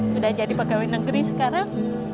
sudah jadi pegawai negeri sekarang